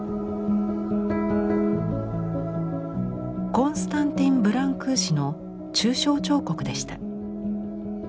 コンスタンティン・ブランクーシの抽象彫刻でした。